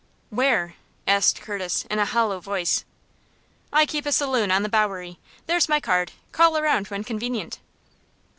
"Where?" asked Curtis, in a hollow voice. "I keep a saloon on the Bowery. There's my card. Call around when convenient."